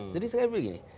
jadi saya pikir begini